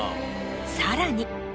さらに。